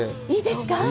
いいですか？